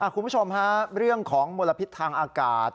คุณผู้ชมฮะเรื่องของมลพิษทางอากาศ